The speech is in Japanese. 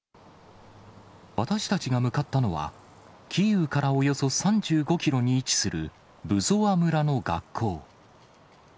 私たちが向かったのは、キーウからおよそ３５キロに位置する、ブゾワ村の学校。